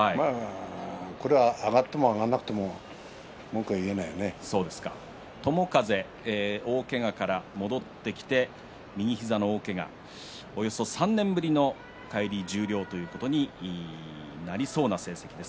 これは上がっても上がらなくても友風、大けがから戻ってきて、右膝の大けがおよそ３年ぶりの返り十両ということになりそうな成績です。